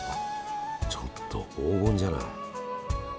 ちょっと黄金じゃない。